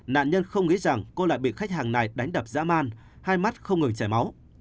nạn nhân không nghĩ rằng cô lại bị khách hàng này đánh đập dã man hai mắt không ngừng chảy máu